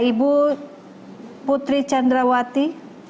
ibu putri chandrawati